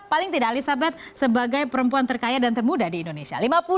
paling tidak elizabeth sebagai perempuan terkaya dan termuda di indonesia